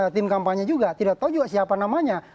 tim kampanye juga tidak tahu juga siapa namanya